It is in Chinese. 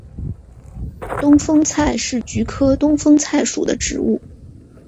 东风菜是菊科东风菜属的植物。